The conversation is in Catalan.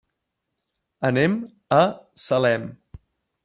Anem a Salem.